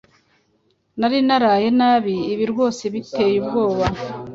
nari naraye nabi ibi rwose biteye ubwoba.